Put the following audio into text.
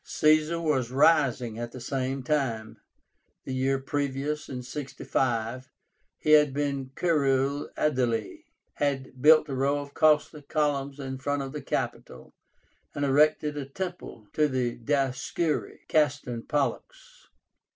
Caesar was rising at the same time. The year previous (65) he had been Curule Aedile, had built a row of costly columns in front of the Capitol, and erected a temple to the Dioscúri (Castor and Pollux).